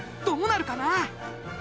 どうなるかな？